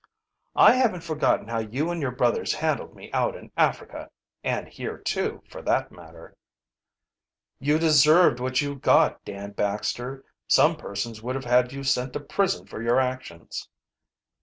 "I haven't forgotten how you and your brothers handled me out in Africa and here, too, for that matter." "You deserved what you got, Dan Baxter. Some persons would have had you sent to prison for your actions."